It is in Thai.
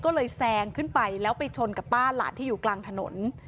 ก็เลยแซงขึ้นไปแล้วไปชนกับป้าหลานที่อยู่กลางถนน